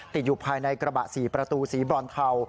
ติดอยู่ภายในกระบะ๔ประตูสีบรอนเทา